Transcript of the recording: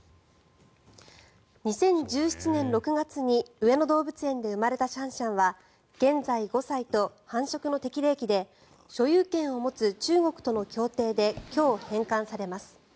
２０１７年６月に上野動物園で生まれたシャンシャンは現在５歳と繁殖の適齢期で所有権を持つ中国との協定で今日、返還されます。